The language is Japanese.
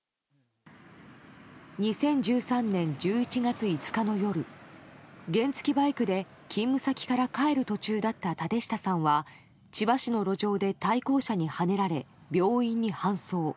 ２０１３年１１月５日の夜原付きバイクで、勤務先から帰る途中だった舘下さんは千葉市の路上で対向車にはねられ、病院に搬送。